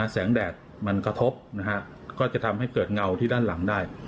แดดมันกระทบนะฮะก็จะทำให้เกิดเงาที่ด้านหลังได้